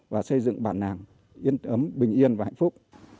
và xây dựng bản nàng yên ấm bình yên và hạnh phúc